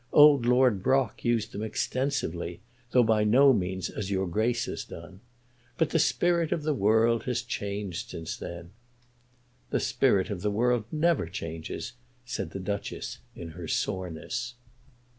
Old Lord Brock used them extensively, though by no means as your Grace has done. But the spirit of the world has changed since then." "The spirit of the world never changes," said the Duchess, in her soreness.